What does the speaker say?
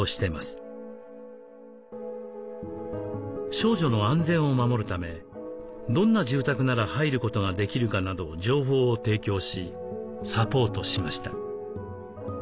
少女の安全を守るためどんな住宅なら入ることができるかなど情報を提供しサポートしました。